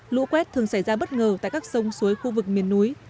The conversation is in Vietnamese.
lũ quét thường xảy ra bất ngờ tại các sông suối khu vực miền núi